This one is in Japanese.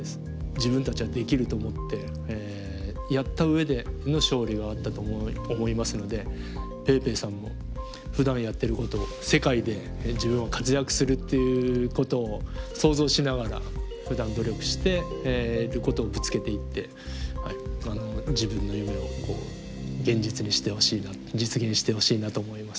自分たちはできると思ってやった上での勝利があったと思いますのでぺいぺいさんもふだんやってることを世界で自分は活躍するっていうことを想像しながらふだん努力してることをぶつけていって自分の夢を現実にしてほしいな実現してほしいなと思います。